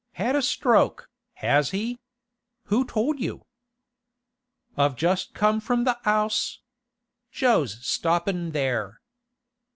Had a stroke, has he? Who told you?' 'I've just come from the 'ouse. Jo's stoppin' there.